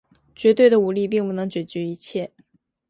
绝对的武力并不能解决一切。